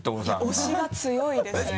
押しが強いですね。